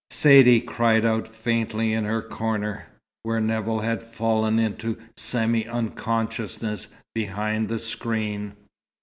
Saidee cried out faintly in her corner, where Nevill had fallen into semi unconsciousness behind the screen.